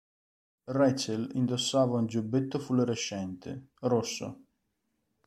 Rachel indossava un giubbetto fluorescente, rosso.